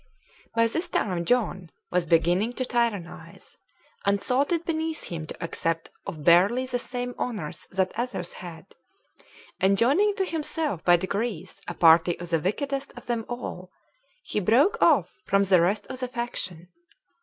1. By this time John was beginning to tyrannize, and thought it beneath him to accept of barely the same honors that others had; and joining to himself by degrees a party of the wickedest of them all, he broke off from the rest of the faction.